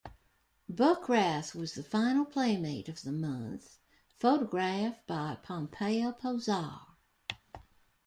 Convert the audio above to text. Bockrath was the final Playmate of the Month photographed by Pompeo Posar.